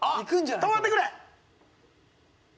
止まってくれ！